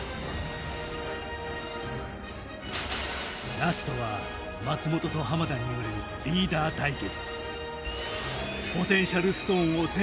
ラストは松本と浜田によるリーダー対決